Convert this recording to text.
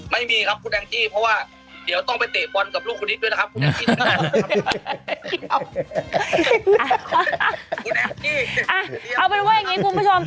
มาครบกันนะชื่อเพลงอะอืม